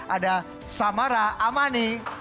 ada samara amani